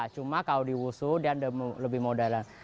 cuma kalau di wushu dia lebih modern